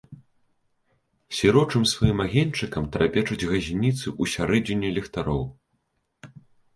Сірочым сваім агеньчыкам трапечуць газніцы ў сярэдзіне ліхтароў.